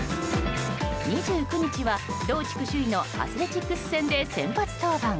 ２９日は同地区首位のアスレチックス戦で先発登板。